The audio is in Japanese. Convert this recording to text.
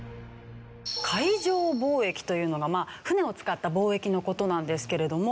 海上貿易というのが船を使った貿易の事なんですけれども。